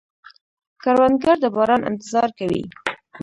کروندګر د باران انتظار کوي